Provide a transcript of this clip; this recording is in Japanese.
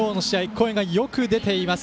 声がよく出ています。